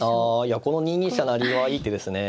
この２二飛車成はいい手ですね。